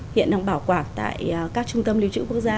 hiện đang bảo quản tại các trung tâm lưu trữ quốc gia